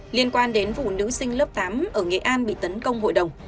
liên quan đến vụ nữ sinh lớp tám ở nghệ an bị tấn công hội đồng